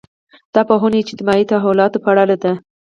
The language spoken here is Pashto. دا پوهنې اجتماعي تحولاتو په اړه دي.